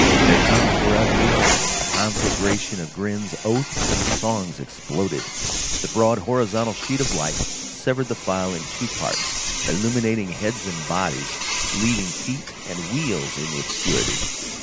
Their tongues were unloosed; a conflagration of grins, oaths, and songs exploded. The broad horizontal sheet of light severed the file in two parts, illuminating heads and bodies, leaving feet and wheels in the obscurity.